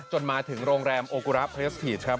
จนมาถึงโรงแรมโอกุรัพย์พระยศถีรครับ